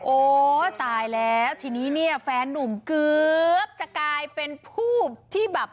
โอ้ตายแล้วทีนี้เนี่ยแฟนนุ่มเกือบจะกลายเป็นผู้ที่แบบ